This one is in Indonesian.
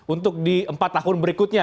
untuk di empat tahun berikutnya